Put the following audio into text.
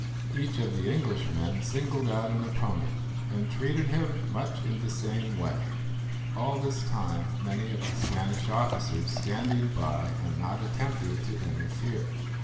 Each of the Englishmen singled out an opponent, and treated him much in the same way, all this time many of the Spanish officers standing by and not attempting to interfere.